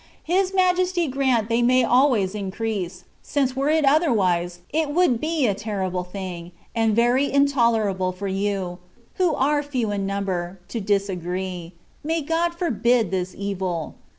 His Majesty grant they may always increase; since were it otherwise, it would be a terrible thing, and very intolerable for you, who are few in num ber, to disagree; may God forbid this evil.